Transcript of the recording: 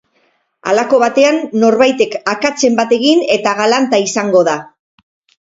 Halako batean, norbaitek akatsen bat egin eta galanta izango da.